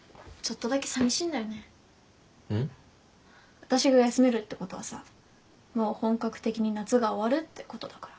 私が休めるってことはさもう本格的に夏が終わるってことだから。